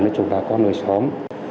nói chung là có người xóm